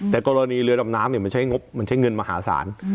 แต่กรณีเรือลำน้ำเนี่ยมันใช้เงินมหาศาล